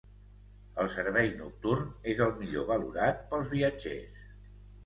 El servei nocturn és el millor valorat pels viatgers.